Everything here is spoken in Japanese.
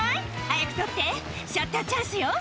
「早く撮ってシャッターチャンスよ」